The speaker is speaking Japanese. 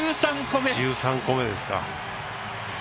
１３個目ですか。